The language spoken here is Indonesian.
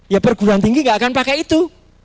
ya perguruan tinggi nggak akan pakai itu